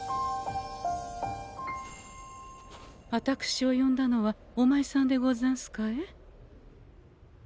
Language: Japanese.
あたくしを呼んだのはおまいさんでござんすかえ？